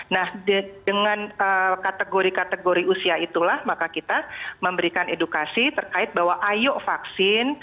nah dengan kategori kategori usia itulah maka kita memberikan edukasi terkait bahwa ayo vaksin